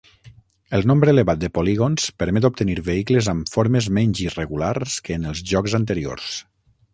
El nombre elevat de polígons permet obtenir vehicles amb formes menys irregulars que en els jocs anteriors.